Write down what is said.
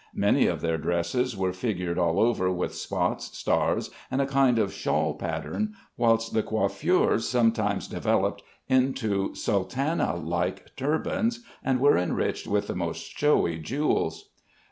Many of their dresses were figured all over with spots, stars, and a kind of shawl pattern, whilst the coiffures sometimes developed into sultana like turbans, and were enriched with the most showy jewels.